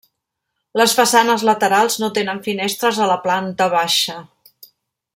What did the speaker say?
Les façanes laterals no tenen finestres a la planta baixa.